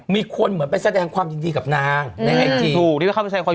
มีคนเหมือนไปแสดงความยินดีกับนางในไอจีน